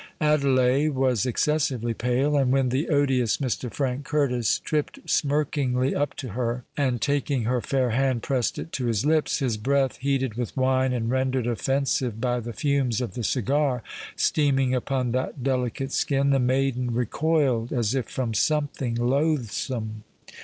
Adelais was excessively pale; and when the odious Mr. Frank Curtis tripped smirkingly up to her, and, taking her fair hand, pressed it to his lips,—his breath, heated with wine and rendered offensive by the fumes of the cigar, steaming upon that delicate skin,—the maiden recoiled as if from something loathsome.